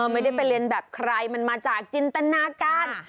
ไม่ได้ไปเรียนแบบใครมันมาจากจินตนาการ